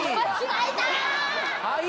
はい！